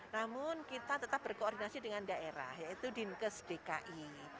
namun kita tetap berkoordinasi dengan daerah yaitu dinkes dki